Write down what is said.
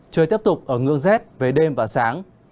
trời tiếp tục ở ngưỡng rét về đêm và sáng